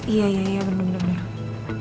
iya iya iya tunggu tunggu tunggu